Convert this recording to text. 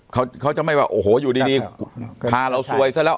เขาเขาจะไม่ว่าโอ้โหอยู่ดีพาเราซวยซะแล้ว